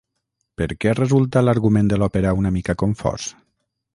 Per què resulta l'argument de l'òpera una mica confós?